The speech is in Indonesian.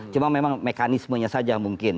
cuma memang mekanismenya saja mungkin